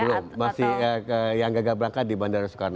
belum masih yang gagal berangkat di bandara soekarno